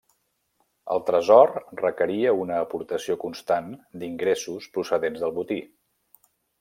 El tresor requeria una aportació constant d'ingressos procedents del botí.